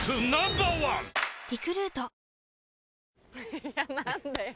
いや何でよ。